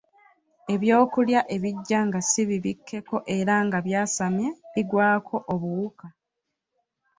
Ebyokulya ebijja nga si bibikkeko era nga byasamye bigwako obuwuka.